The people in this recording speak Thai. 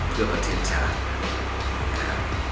เพื่อประเทศชาติ